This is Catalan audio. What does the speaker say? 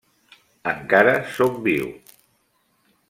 Encara sóc viu.